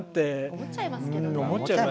思っちゃいますよね。